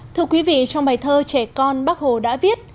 thưa quý vị trong bài thơ trẻ con bác hồ đã viết